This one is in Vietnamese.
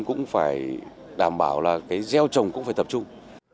cũng phải đảm bảo là cái gieo trồng cũng phải tập trung